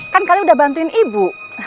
kan kalian udah bantuin ibu